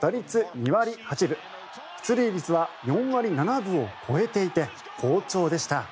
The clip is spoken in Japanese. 打率２割８分出塁率は４割７分を超えていて好調でした。